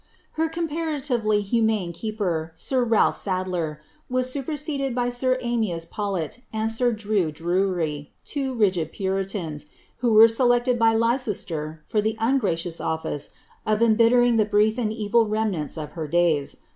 Her com paratively humane keeper, sir Ralph Sadler, was superseded by sir Amias Panlet and sir Drue Drury, two rigid puritans, who were selected by Leicester for the ungracious office of embittering the brief and evil rem nant of her days.